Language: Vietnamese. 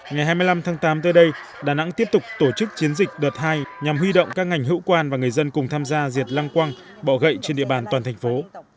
ngày hai mươi năm tháng tám tới đây đà nẵng tiếp tục tổ chức chiến dịch đợt hai nhằm huy động các ngành hữu quan và người dân cùng tham gia diệt lăng quăng bỏ gậy trên địa bàn toàn thành phố